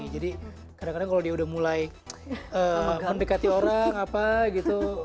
jadi kadang kadang kalo dia udah mulai mendekati orang apa gitu